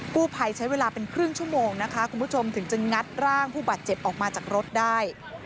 ผู้ภัยใช้เวลาเป็นครึ่งชั่วโมงนะคะคุณผู้ชมถึงจะงัดร่างผู้บาดเจ็บออกมาจากรถได้